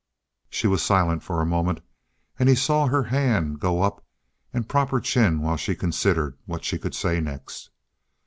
She was silent for a moment, and he saw her hand go up and prop her chin while she considered what she could say next.